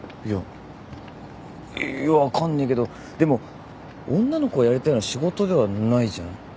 いや分かんねえけどでも女の子がやりたいような仕事ではないじゃない。